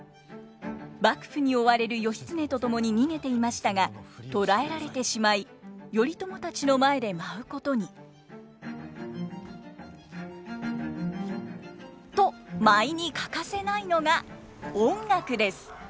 幕府に追われる義経と共に逃げていましたが捕らえられてしまい頼朝たちの前で舞うことに。と舞に欠かせないのが音楽です。